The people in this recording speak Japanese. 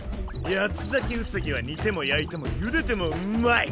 八つ裂きウサギは煮ても焼いてもゆでてもんまい！